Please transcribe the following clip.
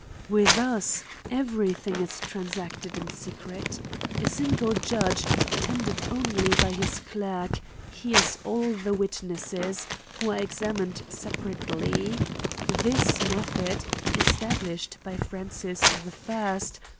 With us, every thing is transacted in secret. A single judge, attended only by his clerk, hears all the witnesses, who are examined separately^ This method, establislied by Francis 1st.